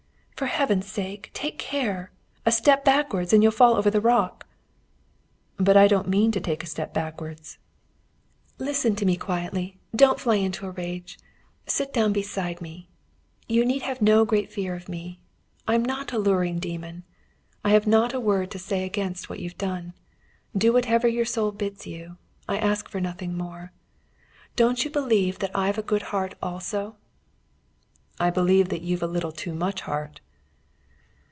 "For Heaven's sake, take care! A step backwards, and you'll fall over the rock." "But I don't mean to take a step backwards." "Listen to me quietly. Don't fly into a rage. Sit down beside me. You need have no great fear of me. I am not a luring demon. I have not a word to say against what you've said. Do whatever your soul bids you. I ask for nothing more. Don't you believe that I've a good heart also?" "I believe that you've a little too much heart."